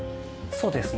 そうですね。